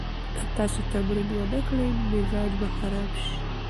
که تاسو تمرین ونه کړئ، مزاج به خراب شي.